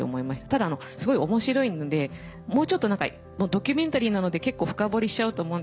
ただすごい面白いのでドキュメンタリーなので結構深掘りしちゃうと思うんですけど